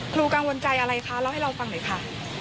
กังวลใจอะไรคะเล่าให้เราฟังหน่อยค่ะ